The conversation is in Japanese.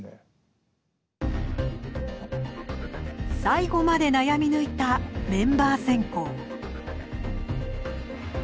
最後まで悩み抜いたメンバー選考。